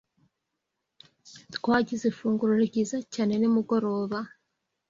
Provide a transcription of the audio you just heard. Twagize ifunguro ryiza cyane nimugoroba.